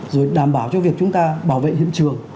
rồi đảm bảo cho việc chúng ta bảo vệ hiện trường